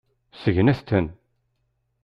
Segnet-ten.